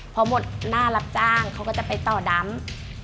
พอหมดหน้ารับจ้างเขาก็จะไปต่อดำ